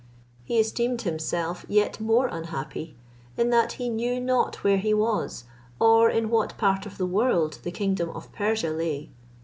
He esteemed himself yet more unhappy, in that he knew not where he was, or in what part of the world the kingdom of Persia lay.